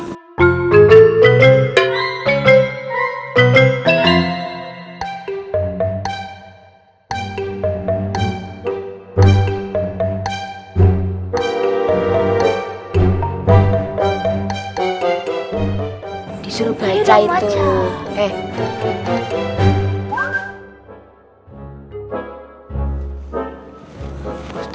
di suruh baca itu